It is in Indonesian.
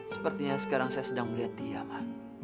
sepertinya sekarang saya sedang melihat dia